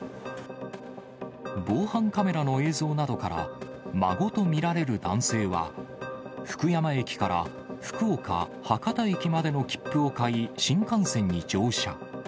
防犯カメラの映像などから、孫と見られる男性は、福山駅から福岡・博多駅までの切符を買い、新幹線に乗車。